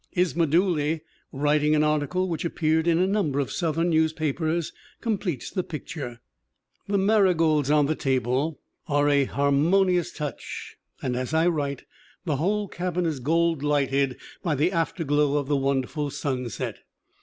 Isma Dooley, writing an article which appeared in a number of Southern news papers, completes the picture : "The marigolds on the table are a harmonious touch and, as I write, the whole cabin is gold lighted by the afterglow of the wonderful sunset.